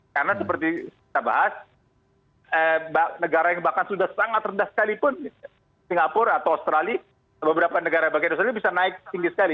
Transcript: karena seperti kita bahas negara yang bahkan sudah sangat rendah sekalipun singapura atau australia beberapa negara bagian dari australia bisa naik tinggi sekali